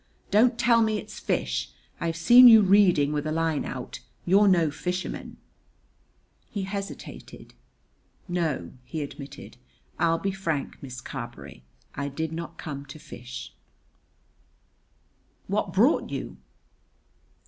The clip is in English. Don't tell me it's fish I've seen you reading, with a line out. You're no fisherman." He hesitated. "No," he admitted. "I'll be frank, Miss Carberry. I did not come to fish." "What brought you?"